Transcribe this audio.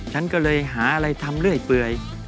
ฉันก็เลยหาอะไรทำเรื่อยเปื่อย